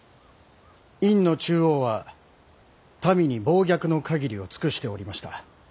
殷の紂王は民に暴虐の限りを尽くしておりました。